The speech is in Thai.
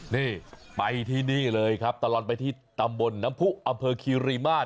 นี่ไปที่นี่เลยครับตลอดไปที่ตำบลน้ำผู้อำเภอคีรีมาตร